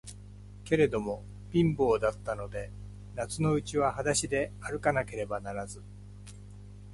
けれども、貧乏だったので、夏のうちははだしであるかなければならず、